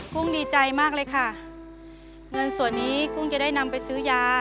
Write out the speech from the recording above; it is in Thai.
กุ้งดีใจมากเลยค่ะเงินส่วนนี้กุ้งจะได้นำไปซื้อยา